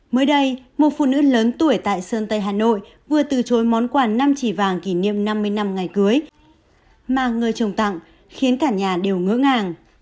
mới đây một phụ nữ lớn tuổi tại sơn tây hà nội vừa từ chối món quà năm chỉ vàng kỷ niệm năm mươi năm ngày cưới mà người trồng tặng khiến cả nhà đều ngỡ ngàng